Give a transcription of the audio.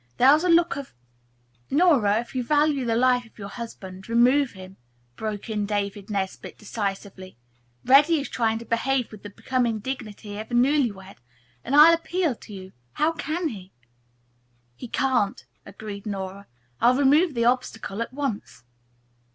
There was a look of " "Nora, if you value the life of your husband, remove him," broke in David Nesbit decisively. "Reddy is trying to behave with the becoming dignity of a newly wed, and I appeal to you, how can he?" "He can't," agreed Nora. "I'll remove the obstacle at once."